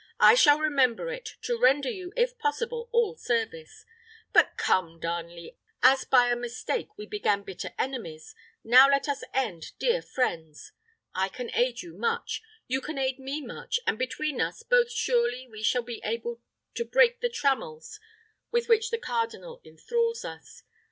"I shall remember it to render you, if possible, all service. But come, Darnley, as by a mistake we began bitter enemies, now let us end dear friends. I can aid you much, you can aid me much, and between us both surely we shall be able to break the trammels with which the cardinal enthrals us.